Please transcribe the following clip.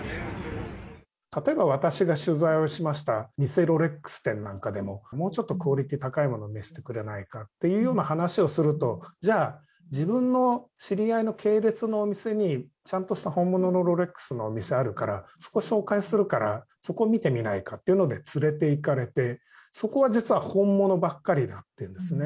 例えば私が取材をしました偽ロレックス店なんかでも、もうちょっとクオリティー高いもの見せてくれないかって話をすると、じゃあ、自分の知り合いの系列の店に、ちゃんとした本物のロレックスのお店あるから、そこ紹介するから、そこ見てみないかってことで連れていかれて、そこは実は本物ばっかりだっていうんですね。